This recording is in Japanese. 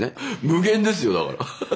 無限ですよだから。